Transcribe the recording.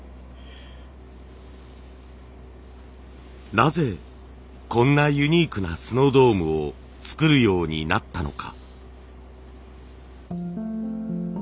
なぜこんなユニークなスノードームを作るようになったのか。